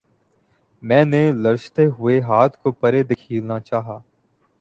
میں نے لرزتے ہوئے ہاتھ کو پرے دھکیلنا چاہا